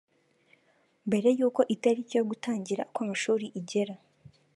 mbere yuko itariki yo gutangira kw’amashuri igera